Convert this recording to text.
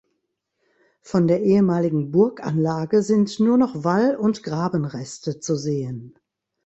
Von der ehemaligen Burganlage sind nur noch Wall- und Grabenreste zu sehen.